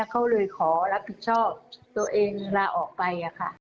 เขาเลยขอรับผิดชอบตัวเองลาออกไป